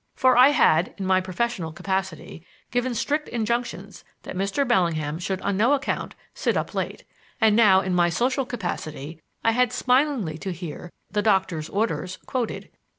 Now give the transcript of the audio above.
For I had, in my professional capacity, given strict injunctions that Mr. Bellingham should on no account sit up late; and now, in my social capacity, I had smilingly to hear "the doctor's orders" quoted.